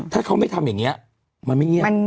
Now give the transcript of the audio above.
ถ้าเขาไม่ทำอย่างนี้มันไม่เงียบ